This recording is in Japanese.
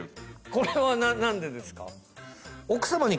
これはなんでですか？